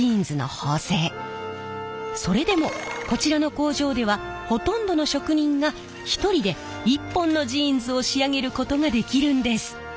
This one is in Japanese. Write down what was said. それでもこちらの工場ではほとんどの職人が１人で１本のジーンズを仕上げることができるんです。